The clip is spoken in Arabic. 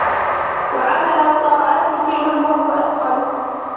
وَعَمَلَ الطَّاعَاتِ فِعْلٌ وَهُوَ أَثْقَلُ